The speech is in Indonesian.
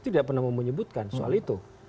tidak pernah mau menyebutkan soal itu